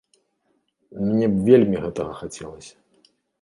Мне б вельмі гэтага хацелася.